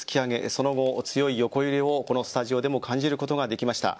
その後、強い横揺れをこのスタジオでも感じることができました。